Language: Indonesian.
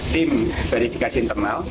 tim verifikasi internal